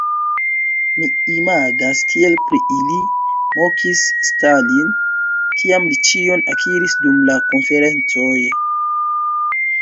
Mi imagas kiel pri ili mokis Stalin, kiam li ĉion akiris dum la konferencoj"...